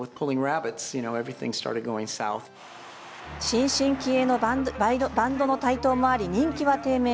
新進気鋭のバンドの台頭もあり人気は低迷。